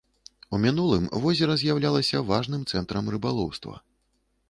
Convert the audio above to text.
У мінулым возера з'яўлялася важным цэнтрам рыбалоўства.